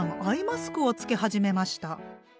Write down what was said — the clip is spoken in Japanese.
アイマスクを着け始めました。